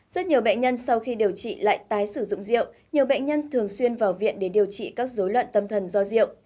rất nhiều bệnh nhân sau khi điều trị lại tái sử dụng rượu nhiều bệnh nhân thường xuyên vào viện để điều trị các dối loạn tâm thần do rượu